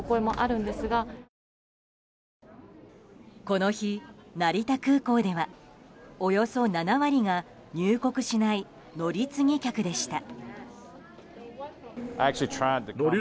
この日、成田空港ではおよそ７割が入国しない乗り継ぎ客でした。